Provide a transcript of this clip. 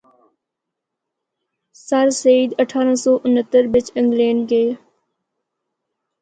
سرسید اٹھارہ سو اُنہتر بچ انگلینڈ گئے۔